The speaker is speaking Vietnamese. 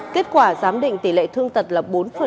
kết quả giám định tỷ lệ thương tật là bốn